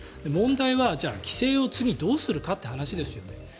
問題はじゃあ規制を次どうするかっていう話ですよね